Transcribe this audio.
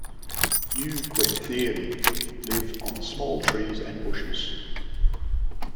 "U. guentheri" live on small trees and bushes.